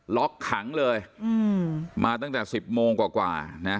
ล็อกขังเลยมาตั้งแต่๑๐โมงกว่านะ